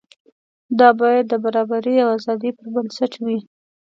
دا باید د برابرۍ او ازادۍ پر بنسټ وي.